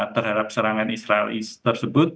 terhadap serangan israel tersebut